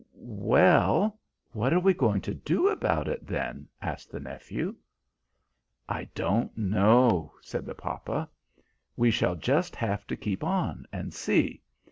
"Well, what are we going to do about it, then?" asked the nephew. "I don't know," said the papa. "We shall just have to keep on and see.